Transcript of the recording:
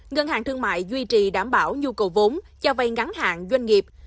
ngân hàng thương mại duy trì đảm bảo nhu cầu vốn cho vay ngắn hạn doanh nghiệp